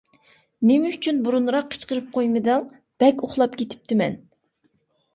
نېمە ئۈچۈن بۇرۇنراق قىچقىرىپ قويمىدىڭ؟ بەك ئۇخلاپ كېتىپتىمەن!